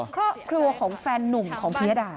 ครอบครัวของแฟนนุ่มของพิยดา